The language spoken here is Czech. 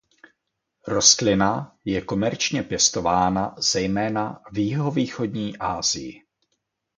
Rostlina je komerčně pěstována zejména v jihovýchodní Asii.